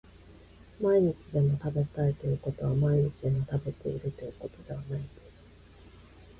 毎日でも食べたいということは毎日でも食べているということではないです